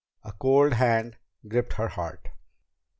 _" A cold hand gripped her heart.